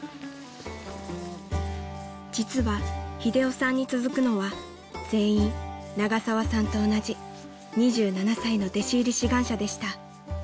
［実は英雄さんに続くのは全員永沢さんと同じ２７歳の弟子入り志願者でした］